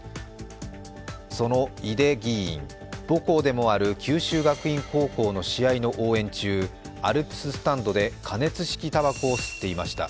その井手議員、母校でもある九州学院高校の試合の応援中、アルプススタンドで加熱式たばこを吸っていました。